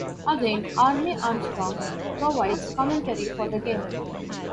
Again, "Army" Armstrong provides commentary for the game.